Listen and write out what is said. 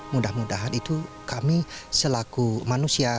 mudah mudahan itu kami selaku manusia